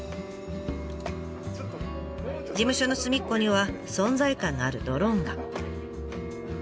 事務所の隅っこには存在感のあるドローンが。